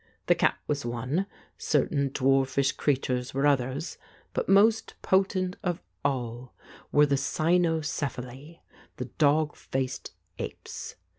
The cat was one, certain dwarfrsh creatures were others, but most potent of all were the cynocephali, the dog faced apes.